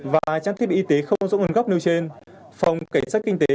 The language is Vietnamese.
và trang thiết bị y tế không rõ nguồn gốc nêu trên phòng cảnh sát kinh tế